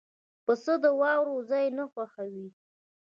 پسه د واورو ځای نه خوښوي.